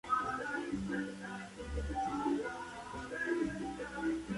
Se trata de un álbum definido por la ubetense como más personal y sincero.